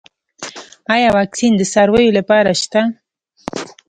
آیا واکسین د څارویو لپاره شته؟